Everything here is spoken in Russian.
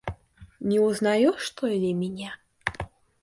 Не узнаешь что ли меня?